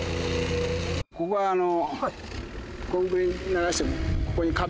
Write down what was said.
ここあの。